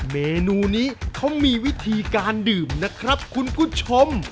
เมนูนี้เขามีวิธีการดื่มนะครับคุณผู้ชม